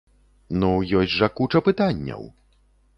Ну, ёсць жа куча пытанняў!